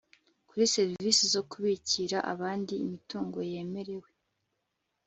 kuri serivisi zo kubikira abandi imitungo yemerewe